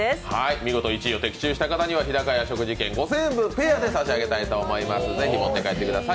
見事１位を的中した方には日高屋の食事券５０００円分をペアで差し上げたいと思います、持って帰ってください。